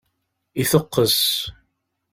Iteqqes.